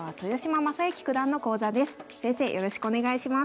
よろしくお願いします。